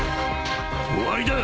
終わりだ！